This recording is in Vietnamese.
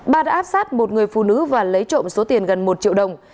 ba đã áp sát một người phụ nữ và lấy trộm số tiền gần một triệu đồng